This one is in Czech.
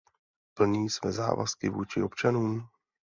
Plní své závazky vůči občanům?